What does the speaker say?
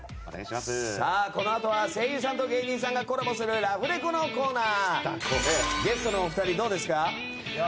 このあとは声優さんと芸人さんがコラボするラフレコのコーナー。